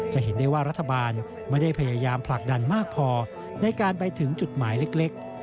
จะเห็นได้ว่ารัฐบาลไม่ได้พยายามผลักดันมากพอในการไปถึงจุดหมายเล็ก